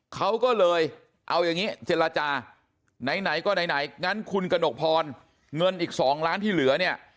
เขาก็เลยเอาอย่างนี้เจรจาไหนก็ไหนงั้นคุณกระหนกพรเงินอีก๒ล้านที่เหลือเนี่ย